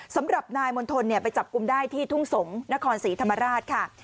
สำหรับนายมณฑลไปจับกลุ่มได้ที่ทุ่งสงศ์นครศรีธรรมราชค่ะ